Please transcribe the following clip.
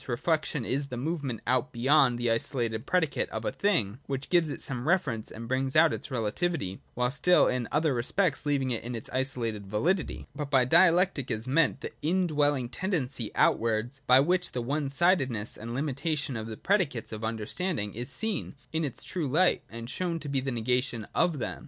Reflec tion is that movement out beyond the isolated predicate of a thing which gives it some reference, and brings out its relativity, while still in other respects leaving it its isolated validity. But by Dialectic is meant the in dwelling tendency outwards by which the one sidedness and limitation of the predicates of understanding is seen in its true light, and shown to be the negation of them.